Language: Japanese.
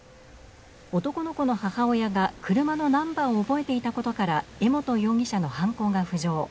男の子の母親が車のナンバーを覚えていたことから江本容疑者の犯行が浮上。